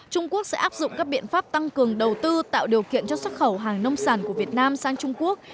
trung quốc sẽ áp dụng các biện pháp tăng cường đầu tư tạo điều kiện cho xuất khẩu hàng nông sản của việt nam sang trung quốc